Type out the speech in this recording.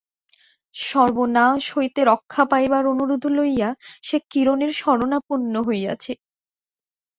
সর্বনাশ হইতে রক্ষা পাইবার অনুরোধ লইয়া সে কিরণের শরণাপন্ন হইয়াছে।